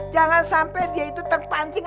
jangan sampai dia itu terpancing